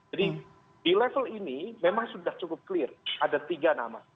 jadi di level ini memang sudah cukup clear ada tiga nama